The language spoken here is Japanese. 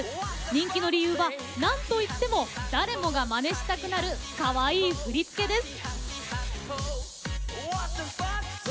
人気の理由は、なんといっても誰もがマネしたくなるかわいい振り付けです。